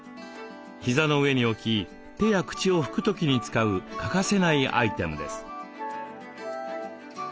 膝の上に置き手や口を拭く時に使う欠かせないアイテムです。